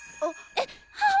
えっ！はっ！